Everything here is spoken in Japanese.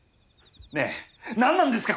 ねえ何なんですか？